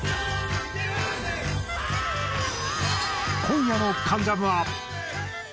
今夜の『関ジャム』は。